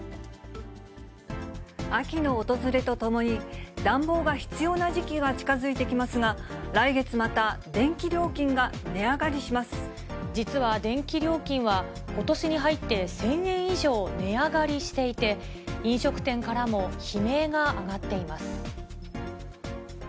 秋の訪れとともに、暖房が必要な時期が近づいてきますが、来月、また電気料金が値上がりし実は、電気料金はことしに入って１０００円以上値上がりしていて、飲食店からも悲鳴が上がっています。